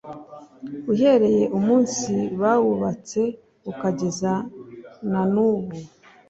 uhereye umunsi bawubatse ukageza na nubu